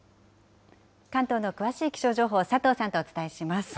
関東の詳しい気象情報、佐藤さんとお伝えします。